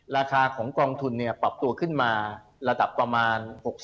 ราคาของกองทุนปรับตัวขึ้นมาระดับประมาณ๖๐